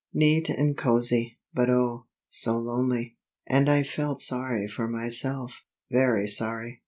Neat and cosy, but oh, so lonely; and I felt sorry for myself, very sorry.